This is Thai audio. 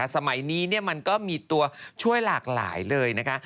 สมัยนี้มันก็มีตัวช่วยหลากหลายเลยนะคะ